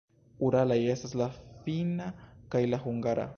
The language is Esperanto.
Uralaj estas la finna kaj la hungara.